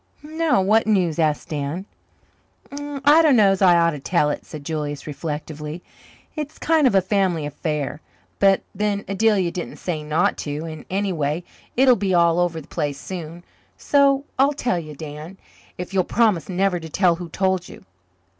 "No, what is it?" asked Dan. "I dunno's I ought to tell it," said Julius reflectively. "It's kind of a family affair, but then Adelia didn't say not to, and anyway it'll be all over the place soon. So I'll tell you, Dan, if you'll promise never to tell who told you.